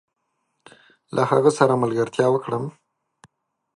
له هغه سره ملګرتيا وکړم؟